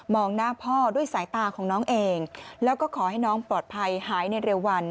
หน้าพ่อด้วยสายตาของน้องเองแล้วก็ขอให้น้องปลอดภัยหายในเร็ววัน